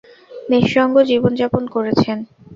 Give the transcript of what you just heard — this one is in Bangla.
নিঃসঙ্গ জীবনযাপন করেছেন।